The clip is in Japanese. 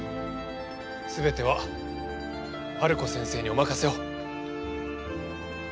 全てはハルコ先生にお任せを。